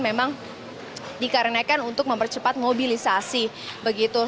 memang dikarenakan untuk mempercepat mobilisasi begitu